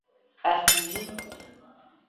Asivi.